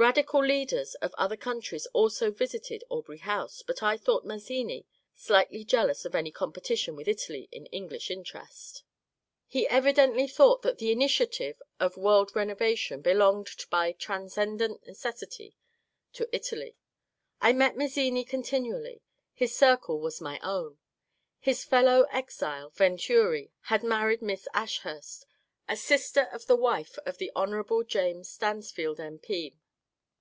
Radical leaders of other countries also visited Aubrey House, but I thought Mazzini slightly jealous of any competition with Italy in Eng lish interest. He evidently thought that the ^* initiative " of world renovation belonged by transcendent necessity to Italy. I met Mazzini continually. His circle was my own. His fellow exile, Venturi, had married Miss Ashurst, a sister of the wife of the Hon. James Stansfeld, M. P.